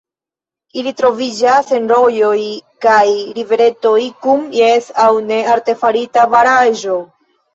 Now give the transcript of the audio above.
Ili troviĝas en rojoj kaj riveretoj kun jes aŭ ne artefarita baraĵo.